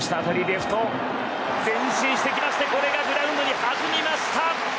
レフト前進してきてこれがグラウンドに弾みました。